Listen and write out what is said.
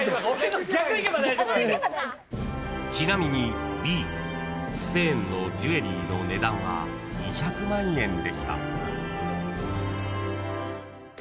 ［ちなみにＢスフェーンのジュエリーの値段は２００万円でした］